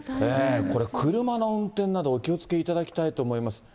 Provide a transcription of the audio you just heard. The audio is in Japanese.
これ、車の運転など、お気をつけいただきたいと思います。